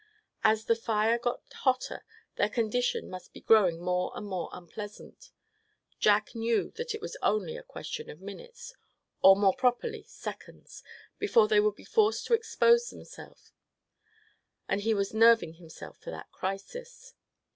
As the fire got hotter their condition must be growing more and more unpleasant. Jack knew that it was only a question of minutes, or more properly, seconds, before they would be forced to expose themselves, and he was nerving himself for that crisis.